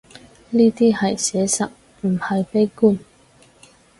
呢啲係寫實，唔係悲觀